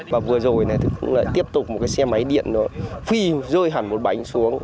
và vừa rồi thì cũng lại tiếp tục một cái xe máy điện nó phi rơi hẳn một bánh xuống